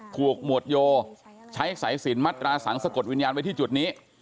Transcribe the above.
ถูกหมวดโยใช้สายสินมัตราสังสะกดวิญญาณไว้ที่จุดนี้